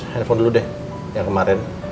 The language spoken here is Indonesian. handphone dulu deh yang kemarin